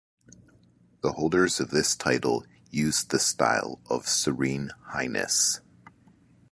The holders of this title used the style of Serene Highness.